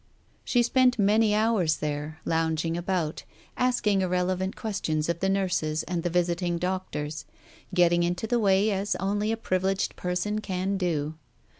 She spent many hours there, lounging about, asking irrelevant questions of the nurses and the visiting doctors, getting into the way as only a privileged person can do.